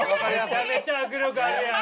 めちゃめちゃ握力あるやん！